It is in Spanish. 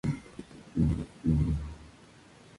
Un proyectil hizo saltar el coche por los aires.